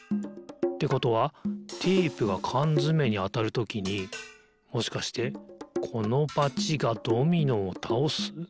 ってことはテープがかんづめにあたるときにもしかしてこのバチがドミノをたおす？